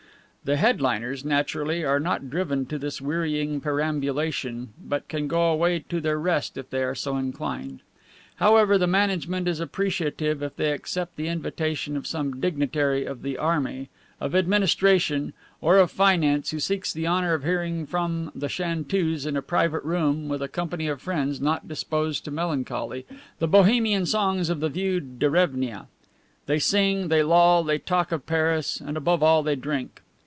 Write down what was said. The head liners, naturally, are not driven to this wearying perambulation, but can go away to their rest if they are so inclined. However, the management is appreciative if they accept the invitation of some dignitary of the army, of administration, or of finance, who seeks the honor of hearing from the chanteuse, in a private room and with a company of friends not disposed to melancholy, the Bohemian songs of the Vieux Derevnia. They sing, they loll, they talk of Paris, and above all they drink.